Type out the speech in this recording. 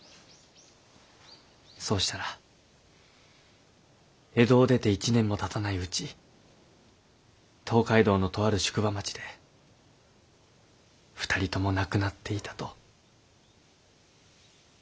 そうしたら江戸を出て一年もたたないうち東海道のとある宿場町で２人とも亡くなっていたと。